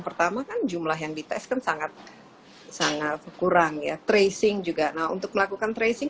pertama kan jumlah yang dites kan sangat sangat kurang ya tracing juga nah untuk melakukan tracing